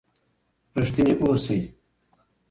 رښتیني اوسئ.